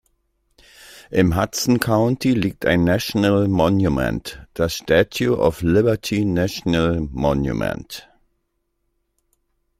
Im Hudson County liegt ein National Monument, das Statue of Liberty National Monument.